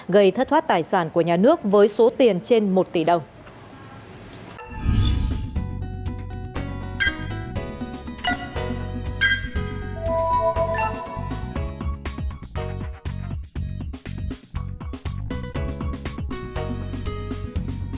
gây thất thoát tài sản của nhà nước với số tiền trên một tỷ đồng